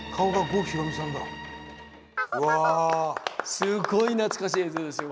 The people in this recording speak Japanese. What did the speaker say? すごい懐かしい映像ですよ